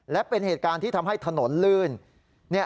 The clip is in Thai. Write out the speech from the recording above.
และเป็นเหตุการณ์ที่ทำให้ถนนลื่น